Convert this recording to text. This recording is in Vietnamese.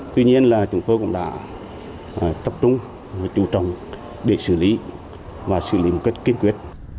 tuy nhiên là chúng tôi cũng đã tập trung và trụ trọng để xử lý và xử lý một cách kiên quyết